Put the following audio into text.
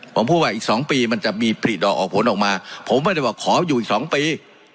ผมพูดว่าอีกสองปีมันจะมีผลิตออกผลออกมาผมไม่ได้ว่าอยู่สองปี